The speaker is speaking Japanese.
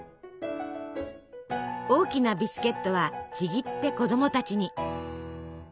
大きなビスケットはちぎって子どもたちに。